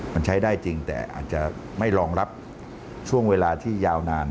มันใช้ได้จริงแต่อาจจะไม่รองรับช่วงเวลาที่ยาวนาน